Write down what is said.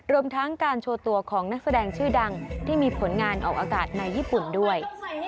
รวมทั้งการโชว์ตัวของนักแสดงชื่อดังที่มีผลงานออกอากาศในญี่ปุ่นด้วย